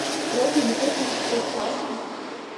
Робин Гуд иеиԥш дыӷәӷәазма?